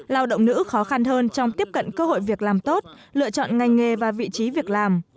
lao động nữ khó khăn hơn trong tiếp cận cơ hội việc làm tốt lựa chọn ngành nghề và vị trí việc làm